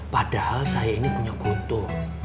padahal saya ini punya gotoh